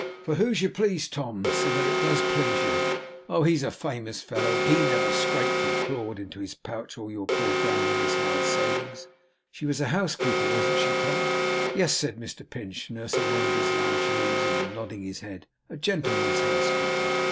'For whose you please, Tom, so that it does please you. Oh! He's a famous fellow! HE never scraped and clawed into his pouch all your poor grandmother's hard savings she was a housekeeper, wasn't she, Tom?' 'Yes,' said Mr Pinch, nursing one of his large knees, and nodding his head; 'a gentleman's housekeeper.